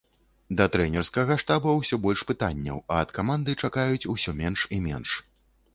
Да трэнерскага штаба ўсё больш пытанняў, а ад каманды чакаюць усё менш і менш.